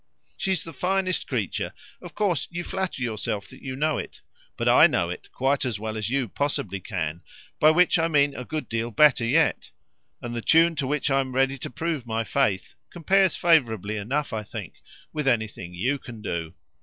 "She's the finest possible creature of course you flatter yourself you know it. But I know it quite as well as you possibly can by which I mean a good deal better yet; and the tune to which I'm ready to prove my faith compares favourably enough, I think, with anything you can do.